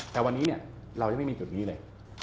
แต่วันนี้เนี่ยเรายังไม่มีจุดนี้เลย